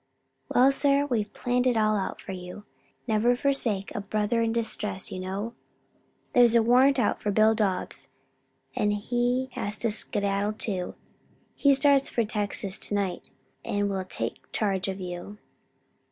"Well, sir, we've planned it all out for you never forsake a brother in distress, you know. There's a warrant out for Bill Dobbs and he has to skedaddle too. He starts for Texas to night, and will take charge of you."